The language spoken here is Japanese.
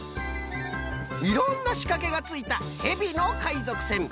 いろんなしかけがついた「ヘビの海賊船」。